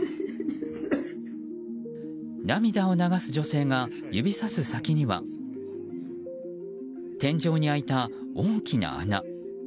涙を流す女性が指さす先には天井に開いた、大きな穴。